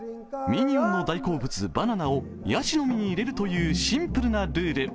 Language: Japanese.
ミニオンの大好物、バナナをやしの実に入れるというシンプルなルール。